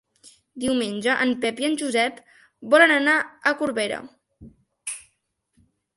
Diumenge en Pep i en Josep volen anar a Corbera.